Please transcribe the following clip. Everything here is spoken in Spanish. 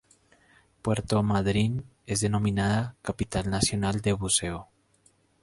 Puerto Madryn es denominada "Capital Nacional del Buceo".